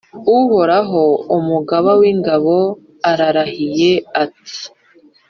Uhoraho, Umugaba w’ingabo, ararahiye ati